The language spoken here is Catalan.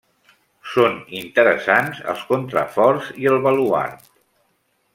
Són interessants els contraforts i el baluard.